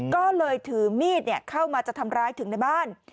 ก็เลยถือมีดเข้ามาจะทำร้ายถึงในบ้าน